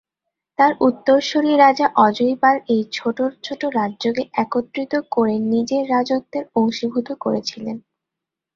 তার উত্তরসূরি রাজা অজয় পাল এই ছোট ছোট রাজ্যকে একত্রিত করে নিজের রাজত্বের অংশীভূত করেছিলেন।